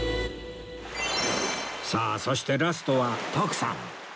さあそしてラストは徳さん